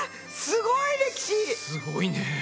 すごいね！